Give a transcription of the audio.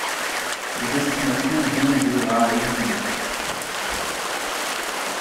Les estimations vont de à exilés.